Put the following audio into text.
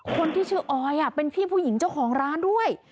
คนที่ชื่อออยเป็นพี่ผู้หญิงเจ้าของร้านด้วย